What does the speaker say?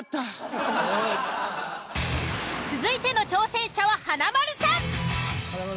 続いての挑戦者は華丸さん。